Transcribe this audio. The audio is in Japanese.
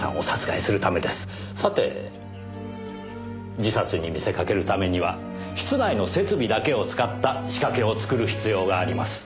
さて自殺に見せかけるためには室内の設備だけを使った仕掛けを作る必要があります。